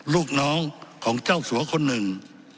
ลูกน้องของเจ้าสัวคนหนึ่ง